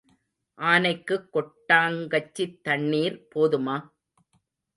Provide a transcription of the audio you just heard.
ஆனைக்குக் கொட்டாங்கச்சித் தண்ணீர் போதுமா?